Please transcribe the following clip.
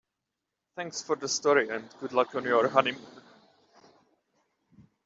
Thanks for the story and good luck on your honeymoon.